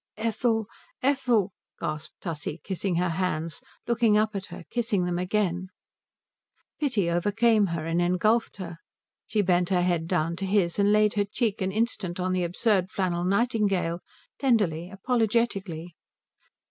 "Ethel Ethel " gasped Tussie, kissing her hands, looking up at her, kissing them again. Pity overcame her, engulfed her. She bent her head down to his and laid her cheek an instant on the absurd flannel nightingale, tenderly, apologetically.